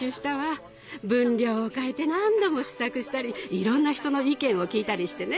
分量を変えて何度も試作したりいろんな人の意見を聞いたりしてね。